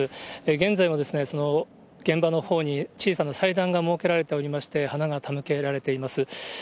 現在はその現場のほうに小さな祭壇が設けられておりまして、花が手向けられています。